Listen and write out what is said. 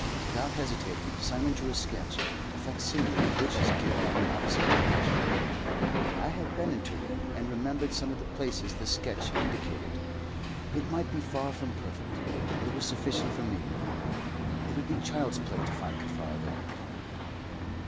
Without hesitating, Simon drew a sketch, a facsimile of which is given on the opposite page. I had been to Turin, and remembered some of the places the sketch indicated. It might be far from perfect, but it was sufficient for me. It would be child's play to find Kaffar there.